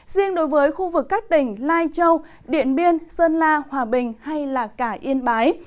riêng đối với khu vực các tỉnh lai châu điện biên sơn la hòa bình hay cả yên bái